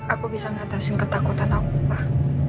aku bisa mengatasi ketakutan aku pak